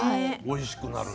おいしくなる。